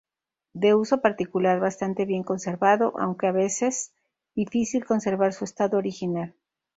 De uso particular, bastante bien conservado, aunque a veces difícil conservar su estado original.